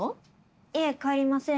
いえ帰りません。